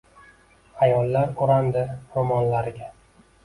Ayollar o’randi ro’mollariga.